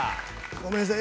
ごめんなさい